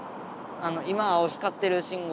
今青光ってる信号。